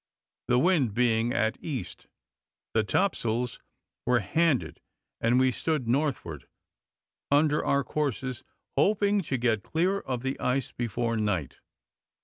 The wind being at east, the top sails were handed; and we stood northward, under our courses, hoping to get clear of the ice before night.